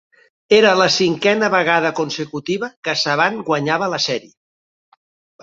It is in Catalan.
Era la cinquena vegada consecutiva que Saban guanyava la sèrie.